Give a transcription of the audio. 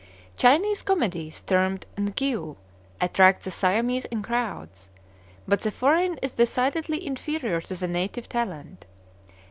Chinese comedies, termed Ngiu, attract the Siamese in crowds; but the foreign is decidedly inferior to the native talent.